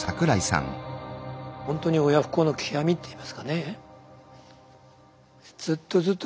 ほんとに親不孝の極みっていいますかね。